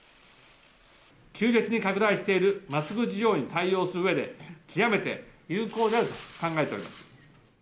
急激に拡大しているマスク需要に対応するうえで、極めて有効であると考えております。